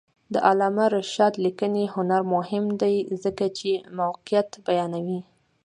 د علامه رشاد لیکنی هنر مهم دی ځکه چې موقعیت بیانوي.